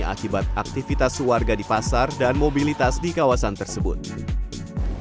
akibat aktivitas warga di pasar dan mobilitas di kawasan tersebut kalau kita menggunakan jalur